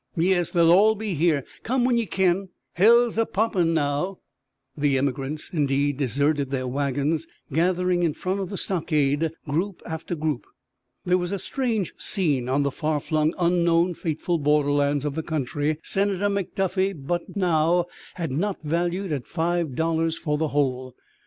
"Yes, they'll all be there. Come when ye kin. Hell's a poppin' now!" The emigrants, indeed, deserted their wagons, gathering in front of the stockade, group after group. There was a strange scene on the far flung, unknown, fateful borderlands of the country Senator McDuffie but now had not valued at five dollars for the whole.